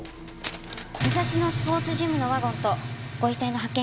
武蔵野スポーツジムのワゴンとご遺体の発見